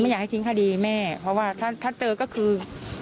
อยากให้ทิ้งคดีแม่เพราะว่าถ้าเจอก็คือ